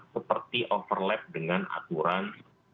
seperti overlap dengan aturan